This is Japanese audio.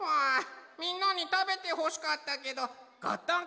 みんなにたべてほしかったけどゴットン